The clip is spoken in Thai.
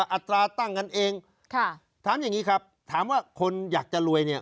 อัตราตั้งกันเองค่ะถามอย่างนี้ครับถามว่าคนอยากจะรวยเนี่ย